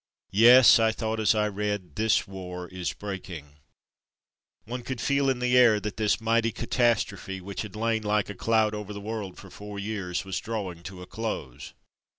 ''Yes/' I thought as I read, ''this war is breaking/' One could feel in the air that this mighty catastrophe, which had lain like a cloud over the world for four years, was drawing to a close.